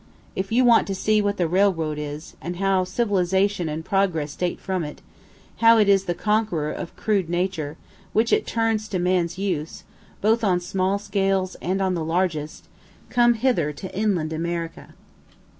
If you want to see what the railroad is, and how civilization and progress date from it how it is the conqueror of crude nature, which it turns to man's use, both on small scales and on the largest come hither to inland America.